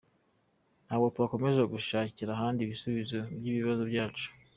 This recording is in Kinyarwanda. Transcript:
Ntabwo twakomeza gushakira ahandi ibisubizo by’ibibazo byacu.”